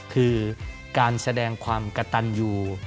คือการแสดงความกระตันอยู่